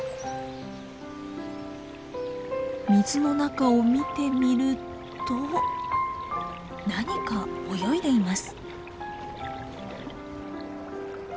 水の中を見てみると何か泳いでいます。